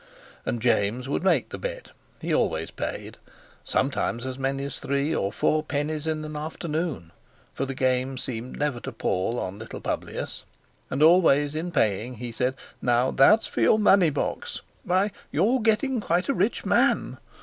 And James would make the bet; he always paid—sometimes as many as three or four pennies in the afternoon, for the game seemed never to pall on little Publius—and always in paying he said: "Now, that's for your money box. Why, you're getting quite a rich man!"